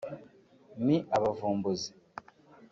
ni abavumbuzi